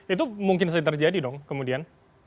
itu mungkin saja terjadi dong kemudian